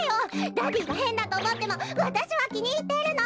ダディがへんだとおもってもわたしはきにいってるの！